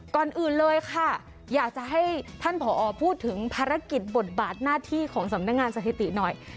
ก่อนอื่นเลยค่ะอยากจะให้ท่านผอพูดถึงภารกิจบทบาทหน้าที่ของสำนักงานสถิติหน่อย